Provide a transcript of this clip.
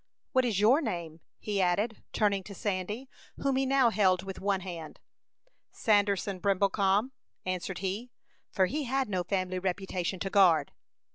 "What is your name?" he added, turning to Sandy, whom he now held with one hand. "Sanderson Brimblecom," answered he, for he had no family reputation to guard.